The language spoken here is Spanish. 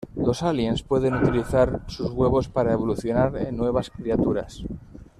Los aliens pueden utilizar sus huevos para evolucionar en nuevas criaturas.